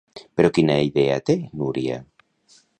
Però quina idea té, Núria?